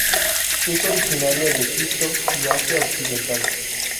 Es originaria de Egipto y Asia occidental.